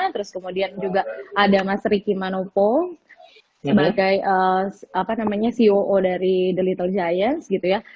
terus kemudian juga ada mas ricky manopo sebagai ceo dari the little giants gitu ya